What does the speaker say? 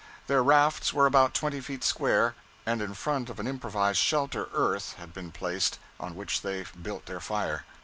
Their rafts were about twenty feet square, and in front of an improvised shelter earth had been placed, on which they built their fire.